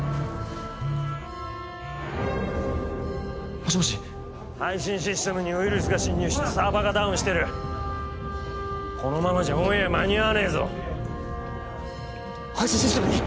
もしもし配信システムにウイルスが侵入してサーバーがダウンしてるこのままじゃオンエア間に合わねえぞ配信システムに！？